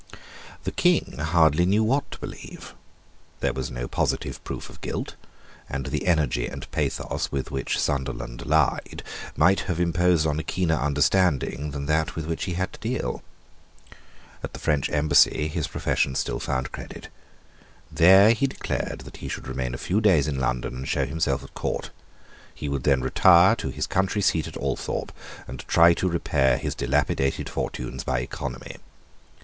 The King hardly knew what to believe. There was no positive proof of guilt; and the energy and pathos with which Sunderland lied might have imposed on a keener understanding than that with which he had to deal. At the French embassy his professions still found credit. There he declared that he should remain a few days in London, and show himself at court. He would then retire to his country seat at Althorpe, and try to repair his dilapidated fortunes by economy.